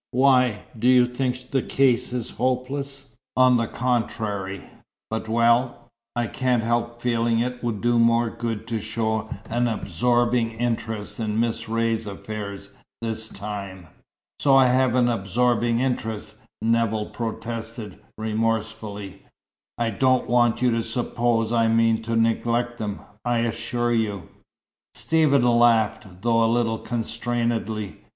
"Why, do you think the case is hopeless?" "On the contrary. But well, I can't help feeling it would do you more good to show an absorbing interest in Miss Ray's affairs, this time." "So I have an absorbing interest," Nevill protested, remorsefully. "I don't want you to suppose I mean to neglect them. I assure you " Stephen laughed, though a little constrainedly.